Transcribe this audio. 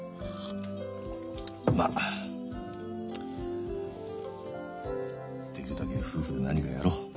まできるだけ夫婦で何かやろう。